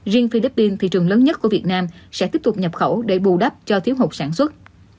riêng philippines thị trường lớn nhất của việt nam sẽ tiếp tục nhập khẩu để bù đắp cho thiếu hụt sản xuất